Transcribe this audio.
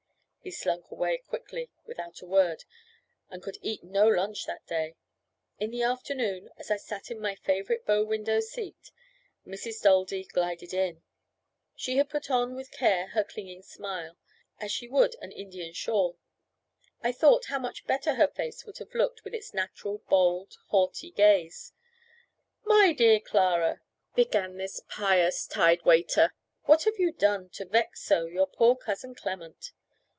He slunk away quickly without a word, and could eat no lunch that day. In the afternoon, as I sat in my favourite bow window seat, Mrs. Daldy glided in. She had put on with care her clinging smile, as she would an Indian shawl. I thought how much better her face would have looked with its natural, bold, haughty gaze. "My dear Clara," began this pious tidewaiter, "what have you done to vex so your poor cousin Clement?"